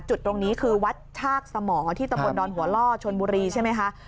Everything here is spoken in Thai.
จุดตรงนี้คือวัดชากสมอที่ตำบลดอนหัวล่อชนบุรีใช่ไหมคะ